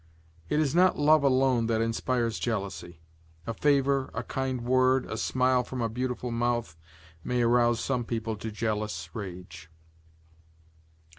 It is not love alone that inspires jealousy; a favor, a kind word, a smile from a beautiful mouth, may arouse some people to jealous rage.